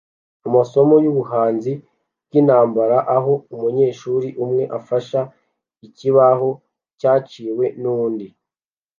Amasomo yubuhanzi bwintambara aho umunyeshuri umwe afashe ikibaho cyaciwe nundi munyeshuri mugihe abandi bareba